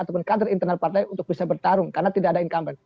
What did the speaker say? dan kader internal partai untuk bisa bertarung karena tidak ada incumbent